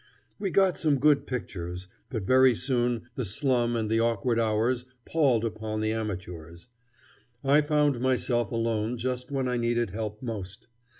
We got some good pictures; but very soon the slum and the awkward hours palled upon the amateurs. I found myself alone just when I needed help most.